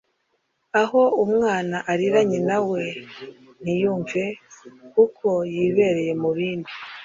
aho umwana arira nyina we ntiyumve kuko yibereye mu bindi